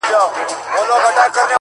هغه نن بيا د چا د ياد گاونډى ـ